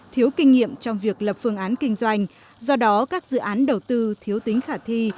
thiếu kinh nghiệm trong việc lập phương án kinh doanh do đó các dự án đầu tư thiếu tính khả thi